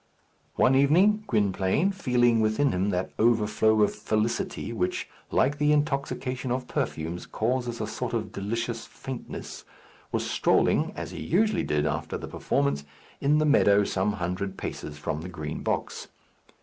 One evening Gwynplaine, feeling within him that overflow of felicity which, like the intoxication of perfumes, causes a sort of delicious faintness, was strolling, as he usually did after the performance, in the meadow some hundred paces from the Green Box.